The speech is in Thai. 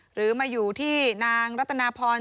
หรือมาอยู่ที่นางรัตนาพร